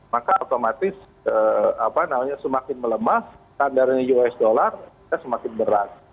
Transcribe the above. maka otomatis semakin melemah tandarnya us dollar semakin berat